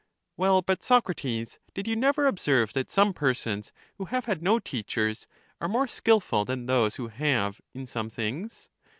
Well but Socrates ; did you never observe that some persons, who have had no teachers, are more skilful than those who have, in some things?